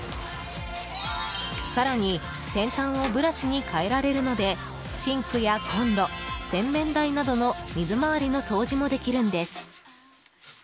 更に、先端をブラシに換えられるのでシンクやコンロ、洗面台などの水回りの掃除もできるんです。